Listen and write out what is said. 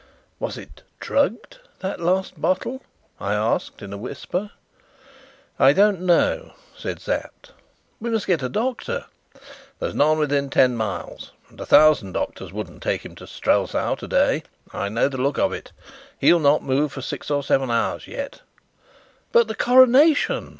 "Was it drugged that last bottle?" I asked in a whisper. "I don't know," said Sapt. "We must get a doctor." "There's none within ten miles, and a thousand doctors wouldn't take him to Strelsau today. I know the look of it. He'll not move for six or seven hours yet." "But the coronation!"